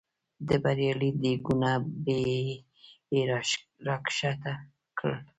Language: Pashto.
د بریاني دیګونه به یې را ښکته کړل.